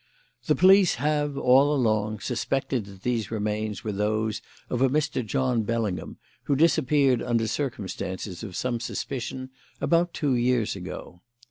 The police have, all along, suspected that these remains were those of a Mr. John Bellingham who disappeared under circumstances of some suspicion about two years ago.